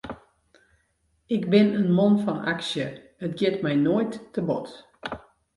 Ik bin in man fan aksje, it giet my noait te bot.